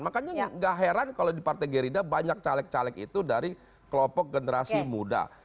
makanya gak heran kalau di partai gerindra banyak caleg caleg itu dari kelompok generasi muda